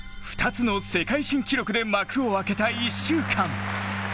２つの世界新記録で幕を開けた１週間。